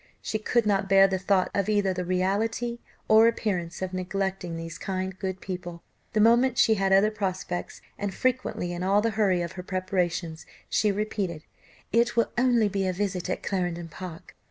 She could not bear the thoughts of either the reality or appearance of neglecting these kind good people, the moment she had other prospects, and frequently in all the hurry of her preparations, she repeated, "It will only be a visit at Clarendon Park.